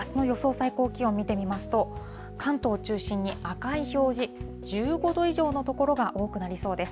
最高気温を見てみますと、関東を中心に赤い表示、１５度以上の所が多くなりそうです。